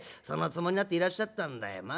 そのつもりになっていらっしゃったんだよ。